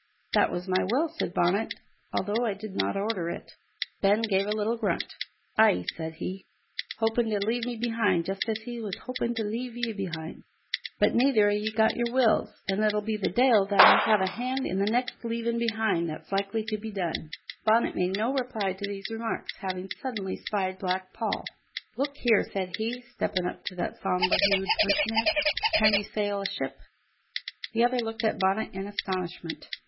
"That was my will," said Bonnet, "although I did not order it." Ben gave a little grunt. "Ay," said he, "hopin' to leave me behind just as he was hopin' to leave ye behind. But neither o' ye got your wills, an' it'll be the de'il that'll have a hand in the next leavin' behind that's likely to be done." Bonnet made no reply to these remarks, having suddenly spied Black Paul. "Look here," said he, stepping up to that sombre hued personage, "can you sail a ship?" The other looked at Bonnet in astonishment.